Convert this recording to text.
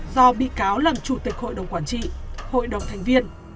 do bị cáo làm chủ tịch hội đồng quản trị